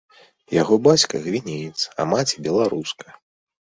Яго бацька гвінеец, а маці беларуска.